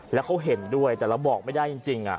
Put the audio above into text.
แล้วเขาเห็นด้วยแต่เราบอกไม่ได้จริง